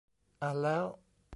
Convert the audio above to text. อ่านแล้ว